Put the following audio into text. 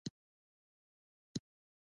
هغه وویل ژر کور ته ننوځه کنه تا هم نیسم